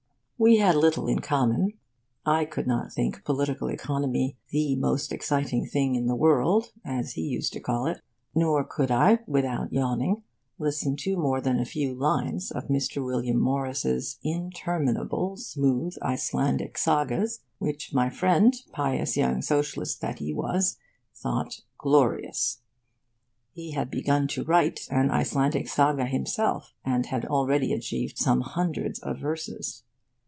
We had little in common. I could not think Political Economy 'the most exciting thing in the world,' as he used to call it. Nor could I without yawning listen to more than a few lines of Mr. William Morris' interminable smooth Icelandic Sagas, which my friend, pious young socialist that he was, thought 'glorious.' He had begun to write an Icelandic Saga himself, and had already achieved some hundreds of verses.